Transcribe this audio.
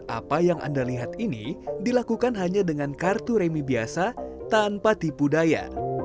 apa yang anda lihat ini dilakukan hanya dengan kartu remi biasa tanpa tipu daya